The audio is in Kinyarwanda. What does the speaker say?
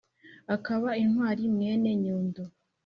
Akaba intwari Mwene Nyundo